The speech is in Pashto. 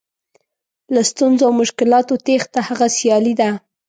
له ستونزو او مشکلاتو تېښته هغه سیالي ده.